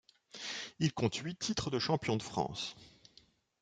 Il compte huit titres de champion de France.